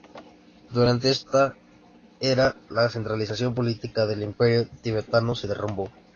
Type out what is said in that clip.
Durante esta era, la centralización política del imperio tibetano se derrumbó.